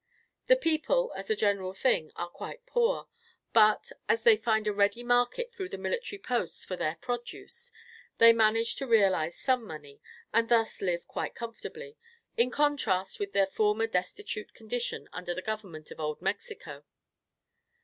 The people, as a general thing, are quite poor, but, as they find a ready market through the military posts for their produce, they manage to realize some money, and thus live quite comfortably, in contrast with their former destitute condition under the government of Old Mexico.